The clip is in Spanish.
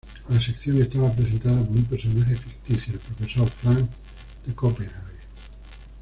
La sección estaba presentada por un personaje ficticio, el profesor Franz de Copenhague.